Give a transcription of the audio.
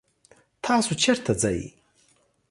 تاسو چرته ځئ؟